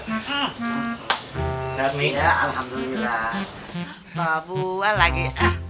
bapak buah lagi